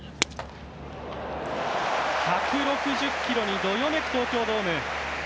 １６０キロにどよめく東京ドーム。